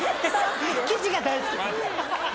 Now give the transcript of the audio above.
生地が大好き。